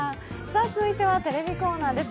続いてはテレビコーナーです。